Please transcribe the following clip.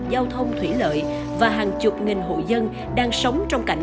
giao thông thủy lợi và hàng chục nghìn hộ dân đang sống trong cảnh